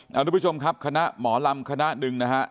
ทุกผู้ชมครับคณะหมอลำคณะหนึ่งนะฮะ